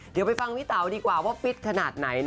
เดี๋ยวไปฟังพี่เต๋าดีกว่าว่าฟิตขนาดไหน